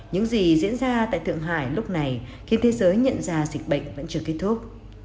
những gì diễn ra tại thượng hải lúc này khiến thế giới nhận ra dịch bệnh vẫn chưa kết thúc